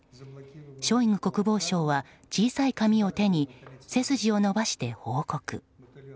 ショイグ国防相は小さい紙を手に背筋を伸ばして報告。